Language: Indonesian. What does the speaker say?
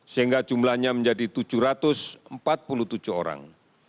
sehingga jumlahnya menjadi tujuh ratus empat puluh tujuh orang